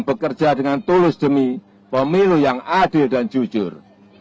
bekerja dengan tulus demi pemilu yang adil dan jujur